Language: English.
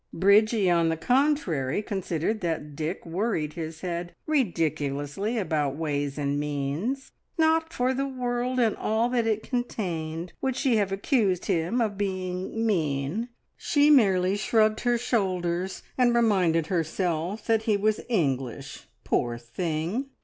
Bridgie, on the contrary, considered that Dick worried his head ridiculously about ways and means. Not for the world and all that it contained would she have accused him of being mean: she merely shrugged her shoulders and reminded herself that he was English, poor thing!